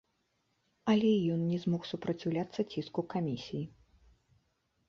Але і ён не змог супраціўляцца ціску камісіі.